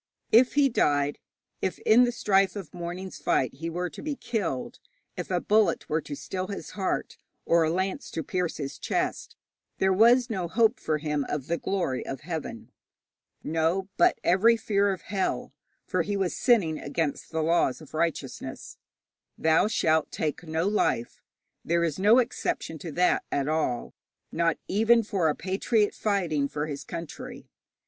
If he died, if in the strife of the morning's fight he were to be killed, if a bullet were to still his heart, or a lance to pierce his chest, there was no hope for him of the glory of heaven. No, but every fear of hell, for he was sinning against the laws of righteousness 'Thou shalt take no life.' There is no exception to that at all, not even for a patriot fighting for his country.